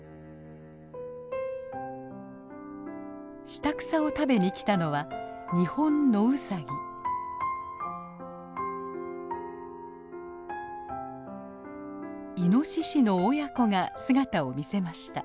下草を食べにきたのはイノシシの親子が姿を見せました。